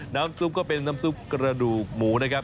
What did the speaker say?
น้ำซุปก็เป็นน้ำซุปกระดูกหมูนะครับ